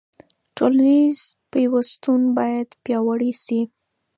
ټولنیز پیوستون باید پیاوړی سي.